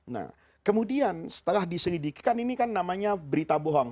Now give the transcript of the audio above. nah kemudian setelah diselidikikan ini kan namanya berita bohong